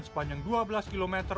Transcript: sepanjang dua belas kilometer